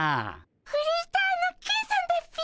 フリーターのケンさんだっピ。